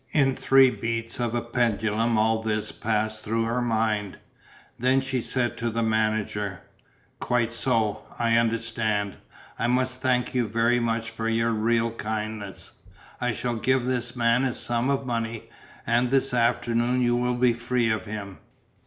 In three beats of a pendulum all this passed through her mind. Then she said to the manager: "Quite so. I understand. I must thank you very much for your real kindness. I shall give this man a sum of money, and this afternoon you will be free of him.